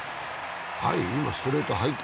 はい、今、ストレート入った。